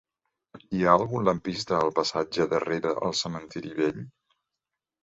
Hi ha algun lampista al passatge de Rere el Cementiri Vell?